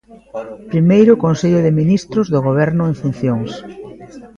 Primeiro Consello de Ministros do Goberno en funcións.